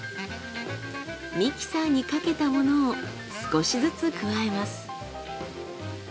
ミキサーにかけたものを少しずつ加えます。